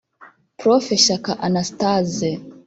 Prof Shyaka Anastase